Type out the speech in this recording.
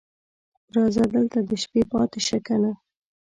راځه دلته د شپې پاتې شه کنه